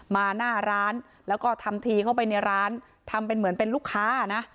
หน้าร้านแล้วก็ทำทีเข้าไปในร้านทำเป็นเหมือนเป็นลูกค้านะ